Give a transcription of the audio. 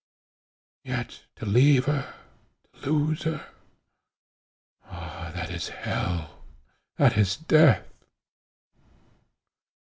And yet to leave her! to lose her! that is hell! that is death!"